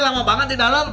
lama banget di dalam